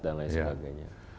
dan lain sebagainya